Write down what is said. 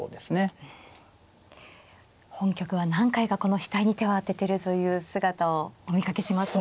本局は何回かこの額に手を当ててるという姿をお見かけしますね。